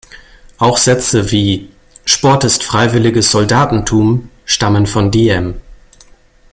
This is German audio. Auch Sätze wie „Sport ist freiwilliges Soldatentum“ stammen von Diem.